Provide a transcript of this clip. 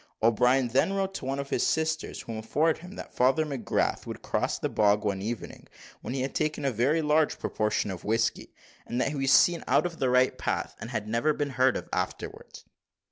O'Brien then wrote to one of his sisters, who informed him, that Father McGrath would cross the bog one evening when he had taken a very large proportion of whisky; and that he was seen out of the right path, and had never been heard of afterwards.